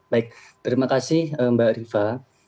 baik terima kasih mbak rifa